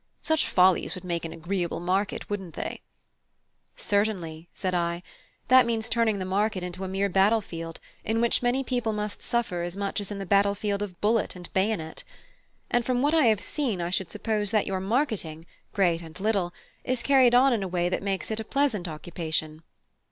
Such follies would make an agreeable market, wouldn't they?" "Certainly," said I, "that means turning the market into a mere battle field, in which many people must suffer as much as in the battle field of bullet and bayonet. And from what I have seen I should suppose that your marketing, great and little, is carried on in a way that makes it a pleasant occupation."